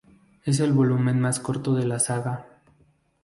Es el volumen más corto de la saga.